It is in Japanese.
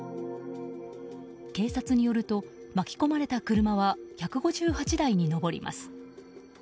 警察によると、巻き込まれた車は１５８台に上ります。